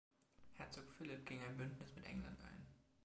Herzog Philip ging ein Bündnis mit England ein.